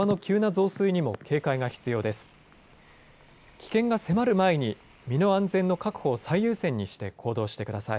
危険が迫る前に身の安全の確保を最優先にして行動してください。